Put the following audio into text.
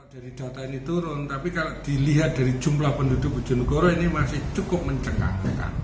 dari data ini turun tapi kalau dilihat dari jumlah penduduk bojonegoro ini masih cukup mencengang